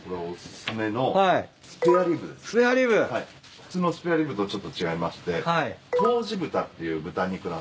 普通のスペアリブとちょっと違いまして湯治豚っていう豚肉なんです。